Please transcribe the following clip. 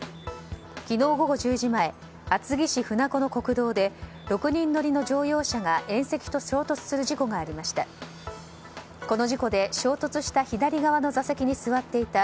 昨日午後１０時前厚木市船子の国道で６人乗りの乗用車が縁石と衝突する事故がありました。